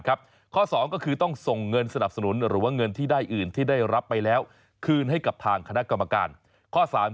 ๒ก็คือต้องทรงเงินสนับสนุนหรือเงินที่ได้อื่นที่ได้รับไปแล้วคืนให้กับทางคก